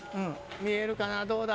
見えるかなどうだ？